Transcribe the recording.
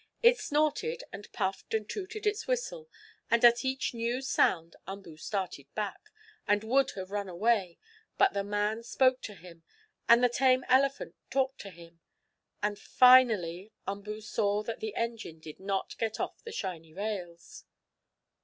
It snorted and puffed and tooted its whistle, and at each new sound Umboo started back, and would have run away. But the man spoke to him, and the tame elephant talked to him, and finally Umboo saw that the engine did not get off the shiny rails.